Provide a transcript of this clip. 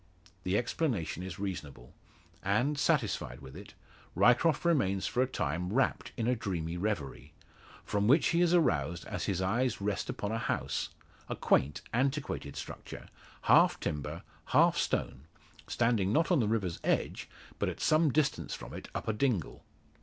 The explanation is reasonable; and, satisfied with it, Ryecroft remains for a time wrapt in a dreamy reverie, from which he is aroused as his eyes rest upon a house a quaint antiquated structure, half timber, half stone, standing not on the river's edge, but at some distance from it up a dingle.